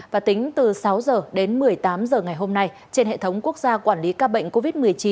và tính từ sáu h đến một mươi tám h ngày hôm nay trên hệ thống quốc gia quản lý ca bệnh covid một mươi chín